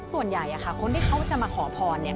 ส่วนใหญ่คนที่เขาจะมาขอพรเนี่ย